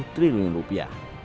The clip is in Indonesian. tujuh tujuh triliun rupiah